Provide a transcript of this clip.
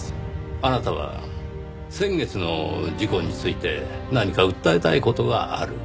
あなたは先月の事故について何か訴えたい事がある。